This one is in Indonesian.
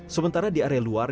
sementara di area luar